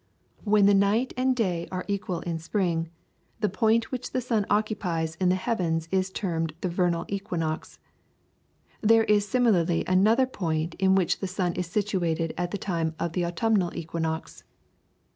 When the night and day are equal in spring, the point which the sun occupies on the heavens is termed the vernal equinox. There is similarly another point in which the sun is situated at the time of the autumnal equinox.